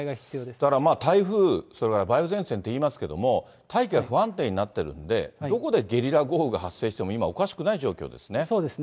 だから、台風それから梅雨前線っていいますけれども、大気が不安定になってるんで、どこでゲリラ豪雨が発生しても今、おかしくなそうですね。